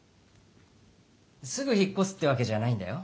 すぐ引っこすってわけじゃないんだよ。